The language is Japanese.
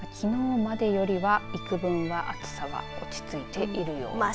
きのうまでよりは幾分は暑さは落ち着いているようです。